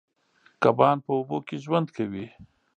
کبان په اوبو کې ژوند کوي.